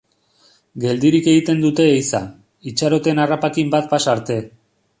Geldirik egiten dute ehiza, itxaroten harrapakin bat pasa arte.